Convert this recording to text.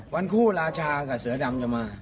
วันคู่ราชากับเสือดำจะมา